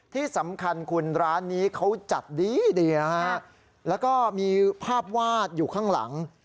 ที่สำคัญคุณร้านนี้เขาจัดดีดีนะฮะแล้วก็มีภาพวาดอยู่ข้างหลัง